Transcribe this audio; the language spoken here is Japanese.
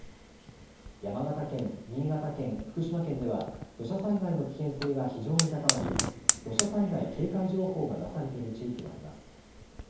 山形県、新潟県、福島県では土砂災害の危険性が非常に高まり土砂災害警戒情報が出されている地域もあります。